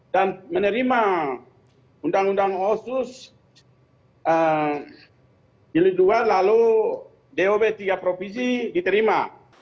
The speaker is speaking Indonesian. dan menerima undang undang otsus jilid dua lalu dob tiga provinsi diterima